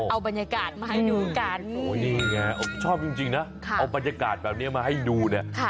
เอาบรรยากาศมาให้ดูกันโอ้นี่ไงชอบจริงนะเอาบรรยากาศแบบนี้มาให้ดูเนี่ย